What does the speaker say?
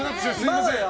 すみません。